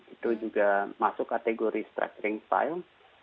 itu juga masuk kategori stressring style